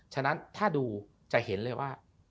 ฉะนั้นถ้าดูจะเห็นเลยว่า